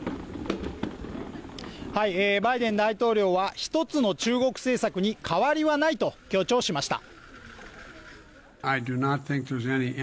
バイデン大統領は、一つの中国政策に変わりはないと強調しました。